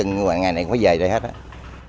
ngày này cũng phải về đây hết đó